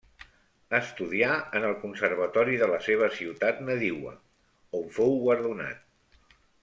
Estudià en el Conservatori de la seva ciutat nadiua, on fou guardonat.